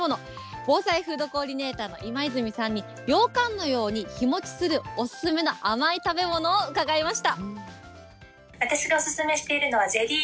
防災フードコーディネーターの今泉さんに、ようかんのように日持ちするお勧めの甘い食べ物を伺いました。